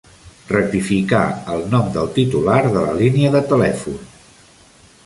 Rectificar el nom del titular de la línia de telèfon.